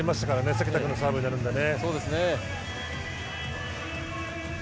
関田君のサーブになるのでね。